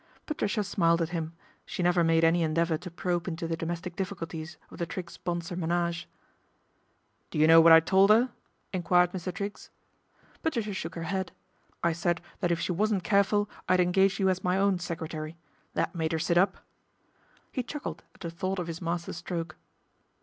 Patricia smiled at him, she never made any endeavour to probe into the domestic difficulties of the Triggs Bonsor menage. " Do you know what I told 'er ?" enquirea Mr. Triggs. THE DEFECTION OF MR. TRIGGS 149 Patricia shook her head. " I said that if she wasn't careful I'd engage you as my own secretary. That made 'er sit up." He chuckled at the thought of his master stroke.